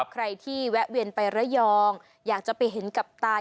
ใครที่แวะเวียนไประยองอยากจะไปเห็นกับตา